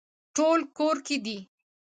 ټول کور کې دي